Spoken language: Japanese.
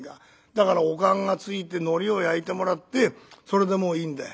だからお燗がついてのりを焼いてもらってそれでもういいんだ。